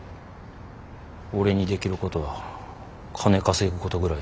俺にできることは金稼ぐことぐらいで。